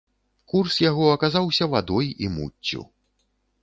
Курс яго аказаўся вадой і муццю.